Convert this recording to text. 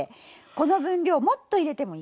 この分量もっと入れてもいいぐらいです。